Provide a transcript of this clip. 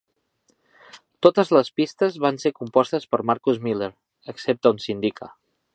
Totes les pistes van ser compostes per Marcus Miller, excepte on s'indica.